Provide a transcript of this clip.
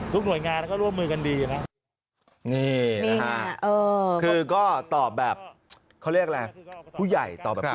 ผู้ใหญ่ตอบแบบผู้ใหญ่